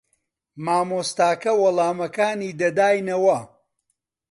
مامۆستاکە وەڵامەکانی دەداینەوە.